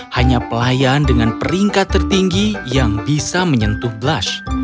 hanya pelayan dengan peringkat tertinggi yang bisa menyentuh blush